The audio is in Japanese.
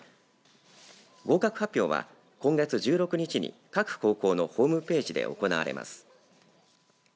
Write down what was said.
合格発表は今月１６日に各高校のホームページで行われます。